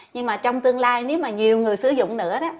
nhưng mà trong tương lai nếu mà nhiều người sử dụng nữa đó